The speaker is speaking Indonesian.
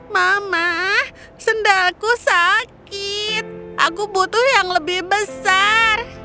mama sendalku sakit aku butuh yang lebih besar